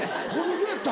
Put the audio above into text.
どうやった？